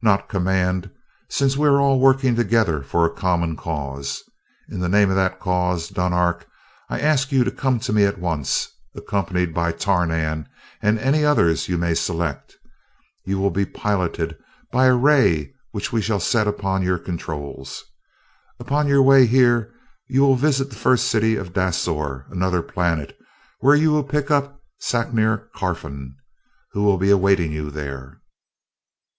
"Not command, since we are all working together for a common cause. In the name of that cause, Dunark, I ask you to come to me at once, accompanied by Tarnan and any others you may select. You will be piloted by a ray which we shall set upon your controls. Upon your way here you will visit the First City of Dasor, another planet, where you will pick up Sacner Carfon, who will be awaiting you there."